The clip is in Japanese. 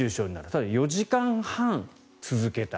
ただ、４時間半続けた。